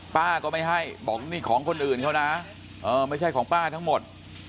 ป้าก็ไม่ให้บอกนี่ของคนอื่นเขานะไม่ใช่ของป้าทั้งหมด